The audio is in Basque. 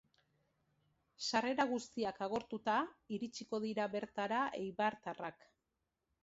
Sarrera guztiak agortuta iritsiko dira bertara eibartarrak.